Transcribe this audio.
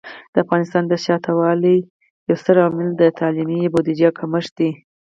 د افغانستان د شاته پاتې والي یو ستر عامل د تعلیمي بودیجه کمښت دی.